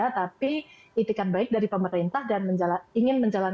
tapi itikan baik dari pemerintah dan ingin menjalankan